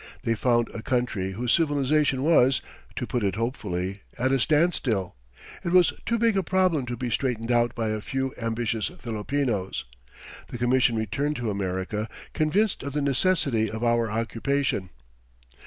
They found a country whose civilization was, to put it hopefully, at a standstill. It was too big a problem to be straightened out by a few ambitious Filipinos. The Commission returned to America convinced of the necessity of our occupation.